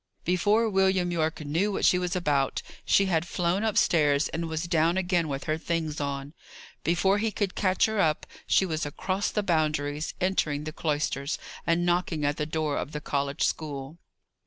Before William Yorke knew what she was about, she had flown upstairs, and was down again with her things on. Before he could catch her up, she was across the Boundaries, entering the cloisters, and knocking at the door of the college school.